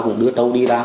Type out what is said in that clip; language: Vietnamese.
cũng đưa đâu đi ra